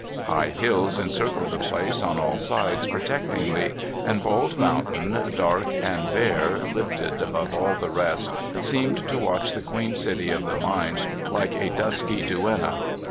High hills encircled the place on all sides protectingly, and Bald Mountain, dark and (7) 8 CALIFORNIA SKETCHES. bare, lifted above all the rest, seemed to watch the queen city of the mines like a dusky duenna.